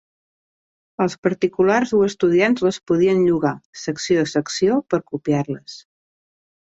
Els particulars o estudiants les podien llogar, secció a secció, per copiar-les.